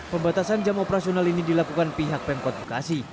pembatasan jam operasional ini dilakukan pihak pemkot bekasi